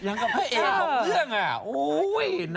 ยังกับเผอร์เอกของเรื่องอ่ะ